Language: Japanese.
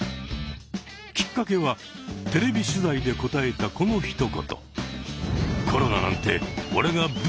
きっかけはテレビ取材で答えたこのひと言。